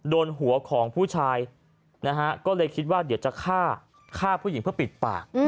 โดนหัวของผู้ชายนะฮะก็เลยคิดว่าเดี๋ยวจะฆ่าฆ่าผู้หญิงเพื่อปิดปาก